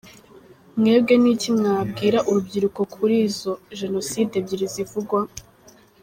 Mwebwe ni iki mwabwira urubyiruko kuri izo ”jenoside” ebyiri zivugwa?